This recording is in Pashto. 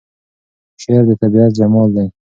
شعر د طبیعت جمال دی.